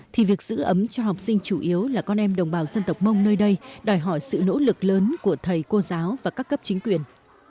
thì việc giữ ấm cho học sinh chủ yếu là con em đồng bào dân tộc mông nơi đây đòi hỏi sự nỗ lực lớn của thầy cô giáo và các cấp chính quyền